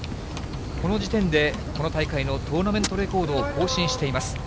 この時点で、この大会のトーナメントレコードを更新しています。